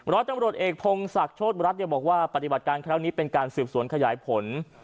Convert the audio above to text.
ร้อยตำรวจเอกพงศักดิ์โชธรัฐบอกว่าปฏิบัติการครั้งนี้เป็นการสืบสวนขยายผล